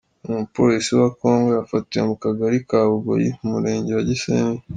Uyu mupolisi wa Congo yafatiwe mu kagari ka Bugoyi mu murenge wa Gisenyi.